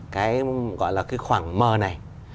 cái gọi là cái khoảng mờ này